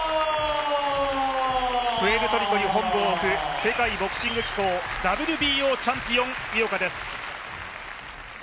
プエルトリコに本部を置く世界ボクシング機構ＷＢＯチャンピオン井岡です。